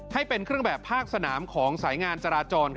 ให้เป็นเครื่องแบบภาคสนามของสายงานจราจร